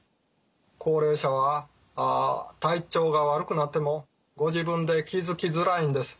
高齢者は体調が悪くなってもご自分で気づきづらいんです。